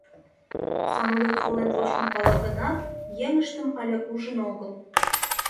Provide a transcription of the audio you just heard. Самолёт волен вочмым пала гынат, еҥыштым але ужын огыл.